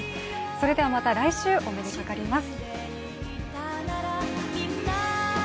それではまた来週、お目にかかります。